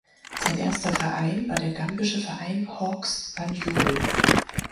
Sein erster Verein war der gambische Verein Hawks Banjul.